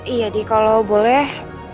iya di kalau boleh